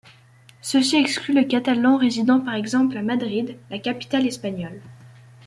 Ceci exclut les Catalans résidant par exemple à Madrid, la capitale espagnole.